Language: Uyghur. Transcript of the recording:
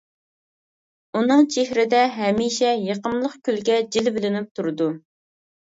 ئۇنىڭ چېھرىدە ھەمىشە يېقىملىق كۈلكە جىلۋىلىنىپ تۇرىدۇ.